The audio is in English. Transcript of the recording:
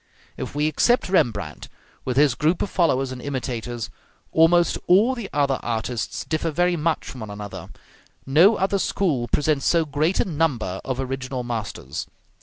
If we except Rembrandt with his group of followers and imitators, almost all the other artists differ very much from one another; no other school presents so great a number of original masters.